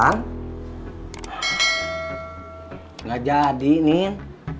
nggak jadi nin